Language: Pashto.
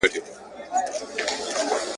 هیلې راغلې تر کشپه ویل یاره ,